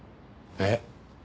えっ？